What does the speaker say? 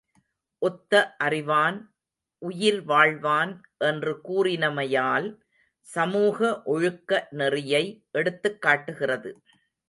ஒத்தது அறிவான் உயிர்வாழ்வான் என்று கூறினமையால், சமூக ஒழுக்க நெறியை எடுத்துக்காட்டுகிறது.